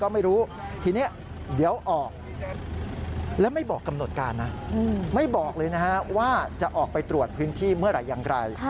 ไม่บอกเลยนะครับว่าจะออกไปตรวจพื้นที่เมื่อไรยังไกล